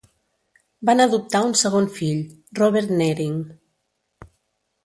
Van adoptar un segon fill, Robert Nearing.